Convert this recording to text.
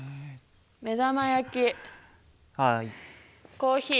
コーヒー。